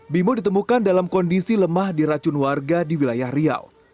bimo ditemukan dalam kondisi lemah di racun warga di wilayah riau